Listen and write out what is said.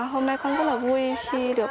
hôm nay con rất là vui khi được